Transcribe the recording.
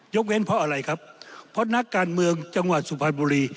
เว้นเพราะอะไรครับเพราะนักการเมืองจังหวัดสุพรรณบุรี